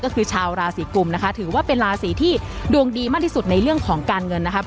ก็คือชาวราศีกุมนะคะถือว่าเป็นราศีที่ดวงดีมากที่สุดในเรื่องของการเงินนะครับ